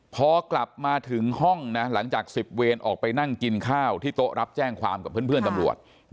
พอกลับมาถึงห้องนะหลังจาก๑๐เวรออกไปนั่งกินข้าวที่โต๊ะรับแจ้งความกับเพื่อนตำรวจ